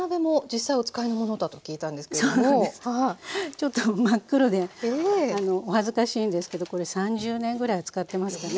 ちょっと真っ黒でお恥ずかしいんですけどこれ３０年ぐらいは使ってますかね。